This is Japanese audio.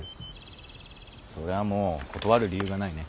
それはもう断る理由がないね。